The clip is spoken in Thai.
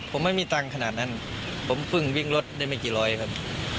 ผมไม่มีตังค์ขนาดนั้นผมเพิ่งวิ่งรถได้ไม่กี่ร้อยครับ